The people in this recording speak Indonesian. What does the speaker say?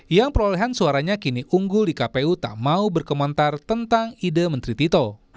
yang perolehan suaranya kini unggul di kpu tak mau berkomentar tentang ide menteri tito